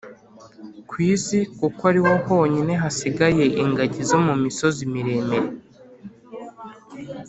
ku isi kuko ari ho honyine hasigaye ingagi zo mu misozi miremire